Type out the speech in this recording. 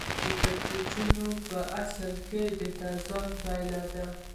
کړکېچونه په اصل کې د تضاد پایله ده